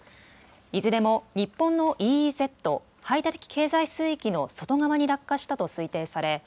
いずれも日本のＥＥＺ・排他的経済水域の外側に落下したと推定され